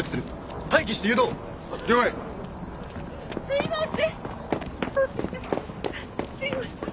すいません。